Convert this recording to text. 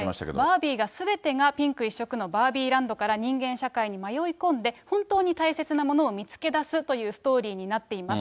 バービーがすべてがピンク一色のバービーランドから人間社会に迷い込んで、本当に大切なものを見つけだすというストーリーになっています。